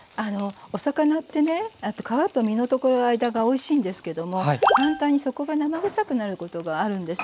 お魚ってね皮と身のところ間がおいしいんですけども反対にそこが生ぐさくなることがあるんですね。